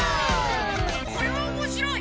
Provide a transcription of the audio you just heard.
これはおもしろい！